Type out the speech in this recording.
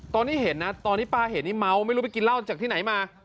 ตอนที่เห็นนะตอนที่ป้าเห็นนี่เมาไม่รู้ไปกินเหล้าจากที่ไหนมา